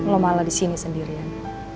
lo malah di sini sendirian